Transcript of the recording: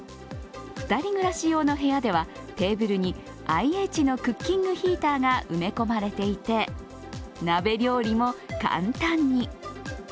２人暮らし用の部屋ではテーブルにＩＨのクッキングヒーターが埋め込まれていて鍋料理も簡単に。